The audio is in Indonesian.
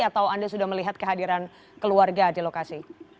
atau anda sudah melihat kehadiran keluarga di lokasi